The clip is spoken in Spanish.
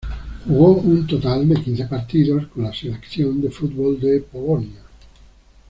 Jugó un total de quince partidos con la selección de fútbol de Polonia.